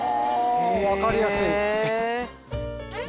分かりやすい。